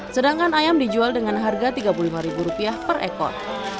sedangkan ayam dijual dengan harga tiga puluh lima ribu rupiah per ekor